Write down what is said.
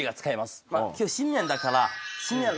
今日新年だから。